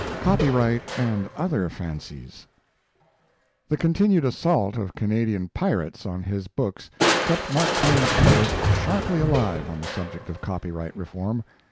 CXXX. COPYRIGHT AND OTHER FANCIES The continued assault of Canadian pirates on his books kept Mark Twain's interest sharply alive on the subject of copyright reform.